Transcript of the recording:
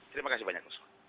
terima kasih banyak